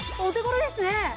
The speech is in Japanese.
お手頃ですね。